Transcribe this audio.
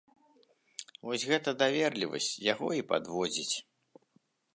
Вось гэта даверлівасць яго і падводзіць.